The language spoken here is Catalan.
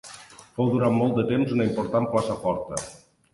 Fou durant molt de temps una important plaça forta.